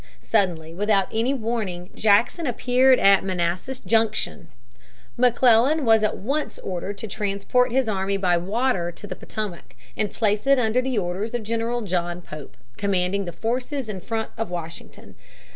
Suddenly, without any warning, Jackson appeared at Manassas Junction (p. 317). McClellan was at once ordered to transport his army by water to the Potomac, and place it under the orders of General John Pope, commanding the forces in front of Washington.